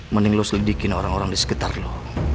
mening lo selidikin orang orang di sekitar lo